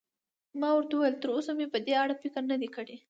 ما ورته وویل: تراوسه مې په دې اړه فکر نه دی کړی.